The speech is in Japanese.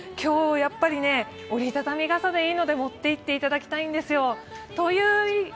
やっぱり折り畳み傘でいいので持っていっていただきたいんですよ。